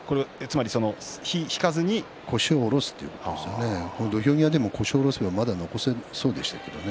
腰を下ろすということですね、土俵際でも腰を下ろせばまだ残せそうですからね。